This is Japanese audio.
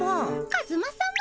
カズマさま。